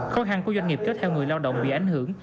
khó khăn của doanh nghiệp kết theo người lao động bị ảnh hưởng